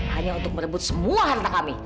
hanya untuk merebut semua hanta kami